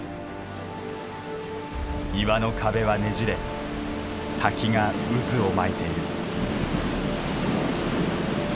岩の壁はねじれ滝が渦を巻いている。